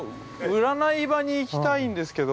占場に行きたいんですけど。